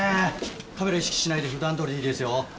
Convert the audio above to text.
カメラ意識しないで普段どおりでいいですよ